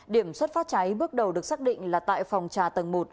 điểm xuất phát cháy bước đầu được xác định là tại phòng trà tầng một